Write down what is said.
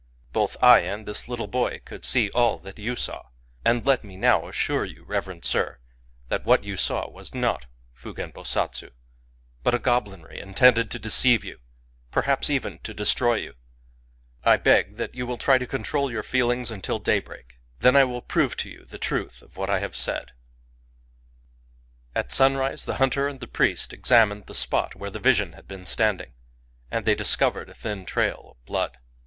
Both I and this little boy could see all that you saw. And let me now assure you, reverend sir, that what you saw was not Fugen Bosatsu, but a goblinry intended to deceive you — perhaps even to destroy you. I beg that you will try to control your feelings until daybreak. Then I will prove to you the truth of what I have said." Digitized by Googk 26 COMMON SENSE At sunrise the hunter and the priest examined the spot where the vision had been standing, and they discovered a thin trail of blood.